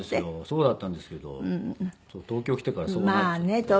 そうだったんですけど東京来てからそうなっちゃって。